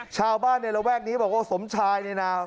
ชาวบ้านในระแวกนี้บอกว่าสมชายเนี่ยนะ